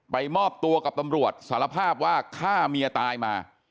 มอบตัวกับตำรวจสารภาพว่าฆ่าเมียตายมา